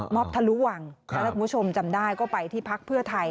บททะลุวังถ้าคุณผู้ชมจำได้ก็ไปที่พักเพื่อไทย